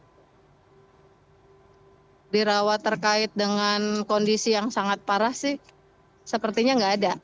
kalau dirawat terkait dengan kondisi yang sangat parah sih sepertinya nggak ada